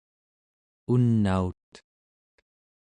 unaut